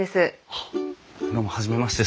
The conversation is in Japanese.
あっどうも初めまして。